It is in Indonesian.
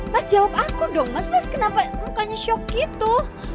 mas jawab aku dong mas mas kenapa mukanya shock gitu